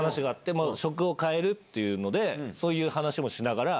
職を替えるっていうのでそういう話もしながら。